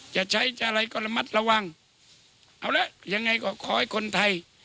จะใช้จะอะไรก็ระมัดระวังเอาละยังไงก็ขอให้คนไทย